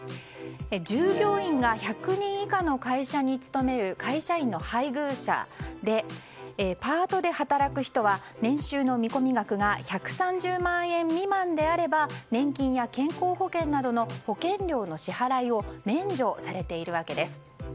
従業員が１００人以下の会社に勤める会社員の配偶者でパートで働く人は年収の見込み額が１３０万円未満であれば年金や健康保険などの保険料の支払いを免除されているわけです。